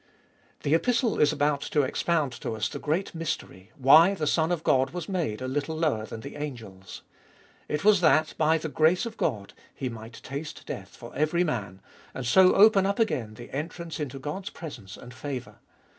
The Epistle is about to expound to us the great mystery, why the Son of God was made a little lower than the angels. It was that, by the grace of God, He might taste death for every man, and so open up again the entrance into God's presence and favour.